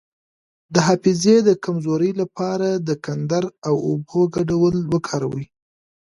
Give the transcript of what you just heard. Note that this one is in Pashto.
د حافظې د کمزوری لپاره د کندر او اوبو ګډول وکاروئ